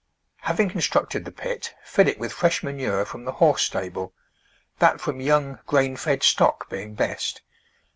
Having constructed the pit, fill it with fresh manure from the horse stable — that from young, grain fed stock being best.